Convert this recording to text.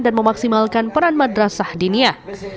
dan memaksimalkan peran madrasah dinia